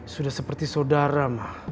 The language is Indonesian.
sudah seperti saudara